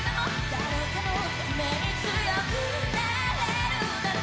「誰かのために強くなれるなら」